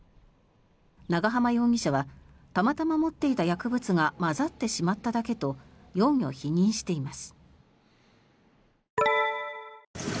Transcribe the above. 長濱容疑者はたまたま持っていた薬物が混ざってしまっただけと容疑を否認しています。